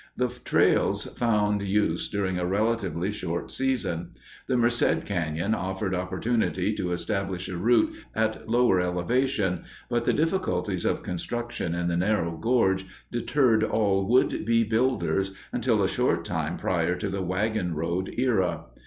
The trails found use during a relatively short season. The Merced Canyon offered opportunity to establish a route at lower elevation, but the difficulties of construction in the narrow gorge deterred all would be builders until a short time prior to the wagon road era.